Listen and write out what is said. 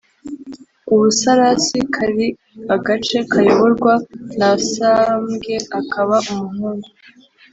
U Busarasi kari agace kayoborwa na Sambwe akaba umuhungu